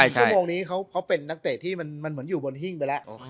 ชั่วโมงนี้เขาเป็นนักเจตที่อยู่บนหิ้งไปแล้ว